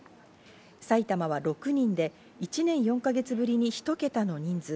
埼玉は６人で１年４か月ぶりに１桁の人数。